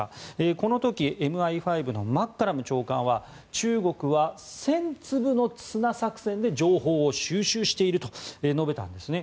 この時ＭＩ５のマッカラム長官は中国は千粒の砂作戦で情報を収集していると述べたんですね。